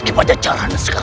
kamu sudah teringentih